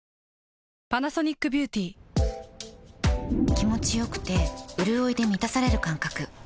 気持ちよくてうるおいで満たされる感覚